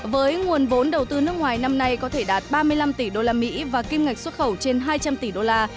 với nguồn vốn đầu tư nước ngoài năm nay có thể đạt ba mươi năm tỷ usd và kim ngạch xuất khẩu trên hai trăm linh tỷ đô la